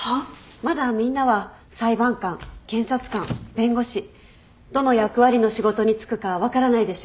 まだみんなは裁判官検察官弁護士どの役割の仕事に就くか分からないでしょ？